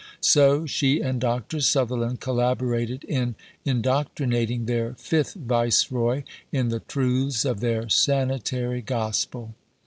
So, she and Dr. Sutherland collaborated in indoctrinating their fifth Viceroy in the truths of their Sanitary gospel.